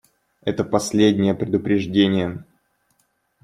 Это последнее предупреждение.